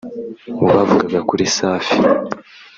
Mu bavugaga kuri Safi